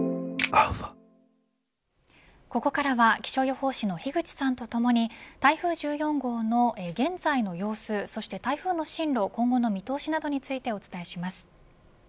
ここからは気象予報士の樋口さんとともに台風１４号の現在の様子そして台風の進路、今後の見通しなどについてお伝えします。